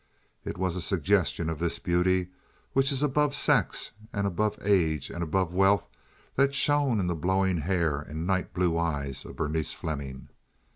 It was a suggestion of this beauty which is above sex and above age and above wealth that shone in the blowing hair and night blue eyes of Berenice Fleming.